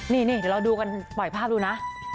นี่เดี๋ยวเราดูกันปล่อยภาพดูนะ